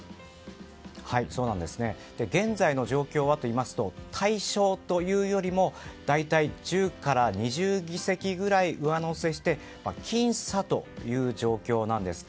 現在の状況はといいますと大勝というよりも大体１０から２０議席くらい上乗せして僅差という状況なんです。